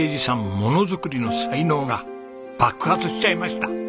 ものづくりの才能が爆発しちゃいました。